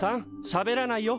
しゃべらないよ。